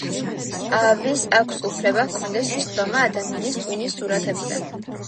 ვის აქვს უფლება ჰქონდეს წვდომა ადამიანის ტვინის სურათებზე?